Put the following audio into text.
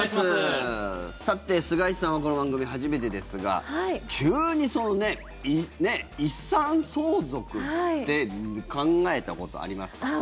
さて、菅井さんはこの番組初めてですが急にその遺産相続って考えたことありますか？